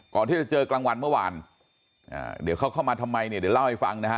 ก่อนที่จะเจอกลางวันเมื่อวานเดี๋ยวเขาเข้ามาทำไมเนี่ยเดี๋ยวเล่าให้ฟังนะฮะ